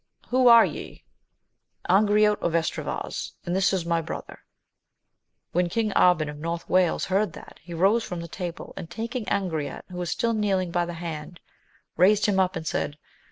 Who are ye ? Angriote of Estravaus ; and this is my brother. When King Arban of North Wales heard that, he rose from table ; and taking Angriote, who was still kneeling, by the hand, raised him up and said.